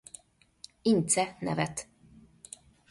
Ince nevet.